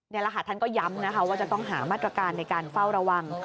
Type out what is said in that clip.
เนี่ยราคาท่านก็ย้ำว่าจะต้องหามาตรการในการเฝ้าระวัง